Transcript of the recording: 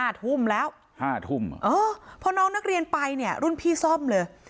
๕ทุ่มแล้ว๕ทุ่มเพราะน้องนักเรียนไปเนี่ยรุ่นพี่ซ่อมเลย